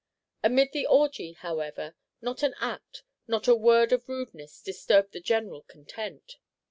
Amid the orgie, however, not an act, not a word of rudeness, disturbed the general content.